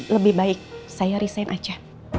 lebih baik saya resign aja